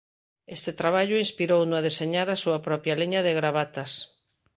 Este traballo inspirouno a deseñar a súa propia liña de gravatas.